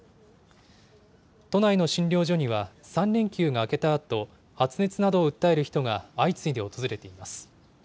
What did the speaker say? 都内の診療所には、３連休が明けたあと発熱などを訴える人が相次いで訪れています。